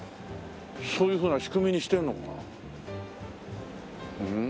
そういうふうな仕組みにしてんのかなあ。